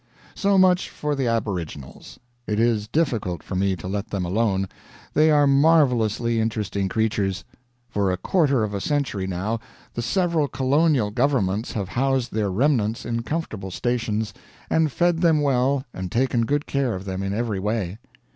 So much for the Aboriginals. It is difficult for me to let them alone. They are marvelously interesting creatures. For a quarter of a century, now, the several colonial governments have housed their remnants in comfortable stations, and fed them well and taken good care of them in every way.